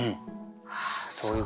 ああそういう。